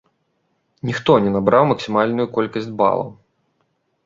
Ніхто не набраў максімальную колькасць балаў.